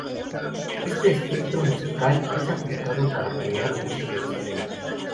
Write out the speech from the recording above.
Este espectro musical es aplicado para crear música extrema.